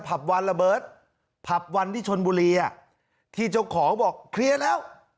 วันระเบิดผับวันที่ชนบุรีอ่ะที่เจ้าของบอกเคลียร์แล้ว